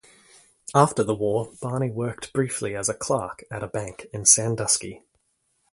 After the war, Barney worked briefly as a clerk at a bank in Sandusky.